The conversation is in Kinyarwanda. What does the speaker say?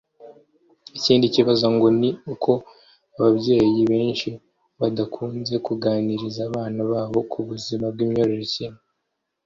Ikindi kibazo ngo ni uko ababyeyi benshi badakunze kuganiriza abana babo kubuzima bw’imyororokere